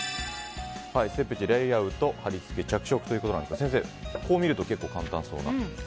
ステップ１、レイアウト貼り付け着色ということなんですが先生、こう見ると結構簡単そうな。